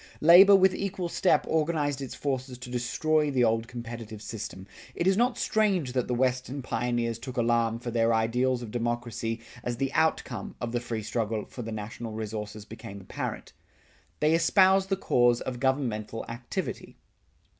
Labor with equal step organized its forces to destroy the old competitive system. It is not strange that the Western pioneers took alarm for their ideals of democracy as the outcome of the free struggle for the national resources became apparent. They espoused the cause of governmental activity.